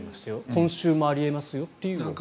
今週もあり得ますよという話。